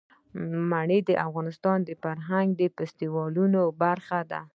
منی د افغانستان د فرهنګي فستیوالونو برخه ده.